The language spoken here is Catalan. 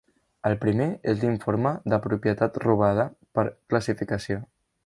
El primer és l'informe de Propietat Robada per Classificació.